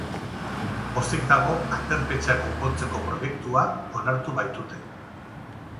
Pozik dago, aterpetxea konpontzeko proiektua onartu baitute.